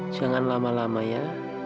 jangan lama lama ya